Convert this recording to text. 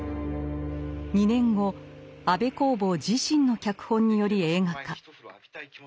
２年後安部公房自身の脚本により映画化。